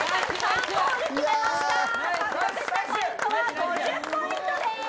５０ポイントです。